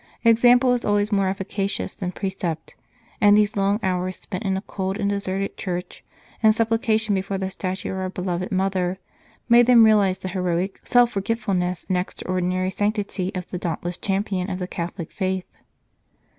Example is always more efficacious than precept, and these long hours spent in a cold and deserted church, in supplication before the statue of our beloved Mother, made them realize the heroic self forgetfulness and extraordinary sanctity of the dauntless champion of the Catholic Faith.